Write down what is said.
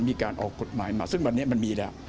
มีการออกกฎหมายมาซึ่งวันนี้มันมีแล้ว